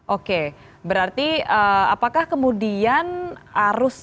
oke berarti apakah kemudian arus